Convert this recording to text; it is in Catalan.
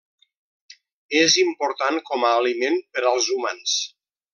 És important com a aliment per als humans.